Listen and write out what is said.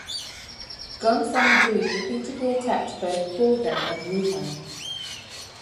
Gongsun Du repeatedly attacked both Goguryeo and Wuhuan.